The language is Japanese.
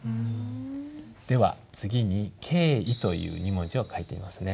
では次に「敬意」という２文字を書いてみますね。